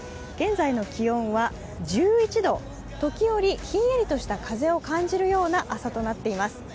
現在の気温は１１度、時折ひんやりとした風を感じるような朝となっています。